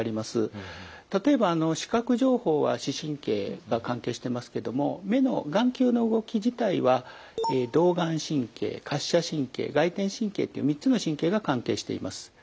例えばあの視覚情報は視神経が関係してますけども目の眼球の動き自体は動眼神経滑車神経外転神経っていう３つの神経が関係しています。